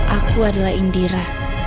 aku adalah indira